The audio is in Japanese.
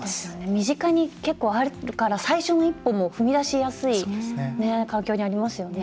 身近に結構あるから最初の１歩も、踏み出しやすい環境にありますよね。